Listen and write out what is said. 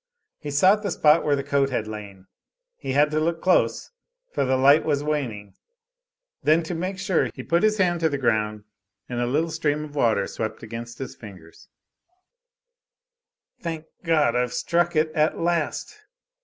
He sought the spot where the coat had lain he had to look close, for the light was waning then to make sure, he put his hand to the ground and a little stream of water swept against his fingers: "Thank God, I've struck it at last!"